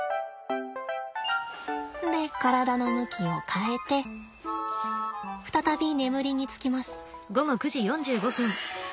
で体の向きを変えて再び眠りにつきます。